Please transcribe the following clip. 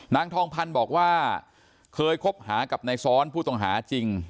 นางทองพันธ์บอกว่าเคยคบหากับในซ้อนผู้ต้องหาจริง